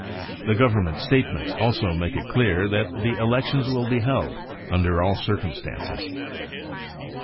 The Government statements also make it clear that the elections will be held under all circumstances.